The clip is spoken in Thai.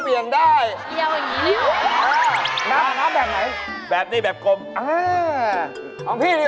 เพราะหนูต้องก็ซื้อหลอดไฟอีก